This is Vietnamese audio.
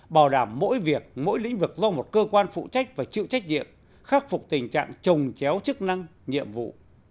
bảo đảm mỗi việc mỗi lĩnh vực do một cơ quan phụ trách và chịu trách nhiệm khắc phục tình trạng trồng chéo chức năng nhiệm vụ